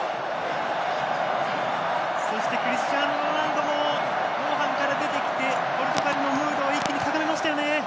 そしてクリスチアーノ・ロナウド後半から出てきてポルトガルのムードを一気に高めましたよね。